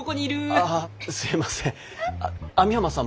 あすいません。